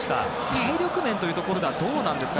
体力面というところではどうなんですか。